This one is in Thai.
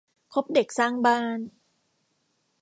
คบเด็กสร้างบ้าน